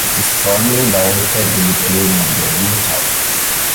It is primarily directed in the plane of the rotor.